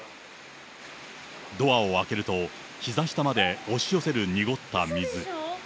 ドアを開けると、ひざ下まで押し寄せる濁った水。